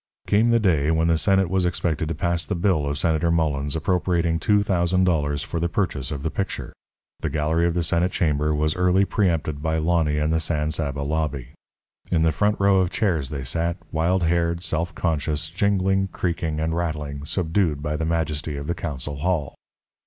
Came the day when the Senate was expected to pass the bill of Senator Mullens appropriating two thousand dollars for the purchase of the picture. The gallery of the Senate chamber was early preempted by Lonny and the San Saba lobby. In the front row of chairs they sat, wild haired, self conscious, jingling, creaking, and rattling, subdued by the majesty of the council hall.